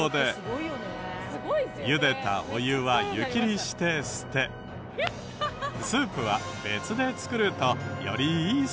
ゆでたお湯は湯切りして捨てスープは別で作るとよりいいそうです。